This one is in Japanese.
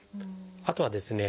あとはですね